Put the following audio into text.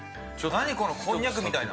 何、このこんにゃくみたいな。